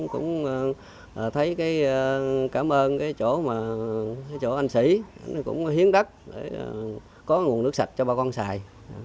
cũng thấy cảm ơn cái chỗ anh sĩ cũng hiến đất để có nguồn nước sạch cho bà con xài